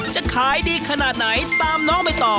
จะขายดีขนาดไหนตามน้องไปต่อ